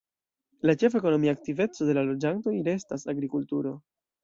La ĉefa ekonomia aktiveco de la loĝantoj restas agrikulturo.